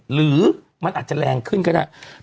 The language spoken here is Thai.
หรือมันอาจจะแรงขึ้นก็ได้